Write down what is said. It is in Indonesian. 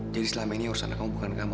jadi selama ini urusan aku bukan kamu